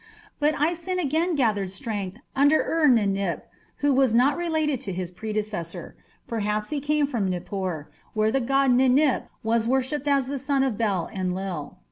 But Isin again gathered strength under Ur Ninip, who was not related to his predecessor. Perhaps he came from Nippur, where the god Ninip was worshipped as the son of Bel Enlil.